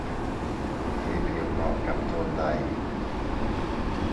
สีผิวเหมาะกับโทนใด